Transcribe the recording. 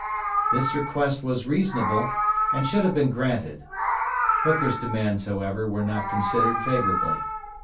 This request was reasonable and should have been granted. Hooker's demands, however, were not considered favorably.